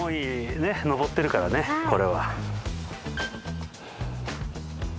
上ってるからねこれは。